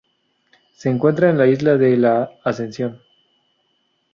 Se encuentra en la Isla de la Ascensión.